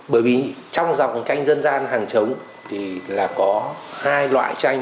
bởi vì trong dòng tranh dân gian hàng trống thì là có hai loại tranh